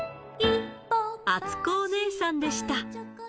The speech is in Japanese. あつこお姉さんでした。